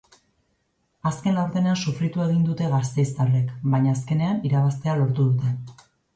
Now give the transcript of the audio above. Azken laurdenean sufritu egin dute gasteiztarrek, baina azkenean irabztea lortu dute.